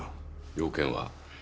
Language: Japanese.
用件は？